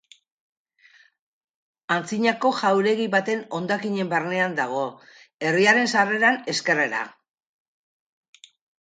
Antzinako jauregi baten hondakinen barnean dago, herriaren sarreran ezkerrera.